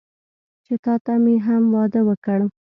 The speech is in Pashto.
چې تاته مې هم واده وکړ.